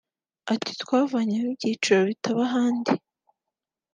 Ati “Twavanyemo ibyiciro bitaba ahandi